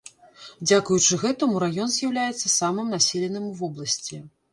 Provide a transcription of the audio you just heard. Дзякуючы гэтаму раён з'яўляецца самым населеным у вобласці.